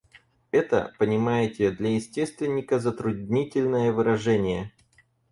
Это, понимаете, для естественника затруднительное выражение.